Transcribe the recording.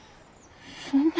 そんな。